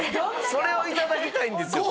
それをいただきたいんですよ